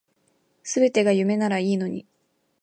全てが夢ならいいのに